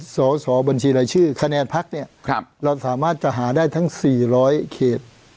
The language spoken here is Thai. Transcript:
สอสอบัญชีรายชื่อคะแนนพักเนี่ยเราสามารถจะหาได้ทั้ง๔๐๐เขต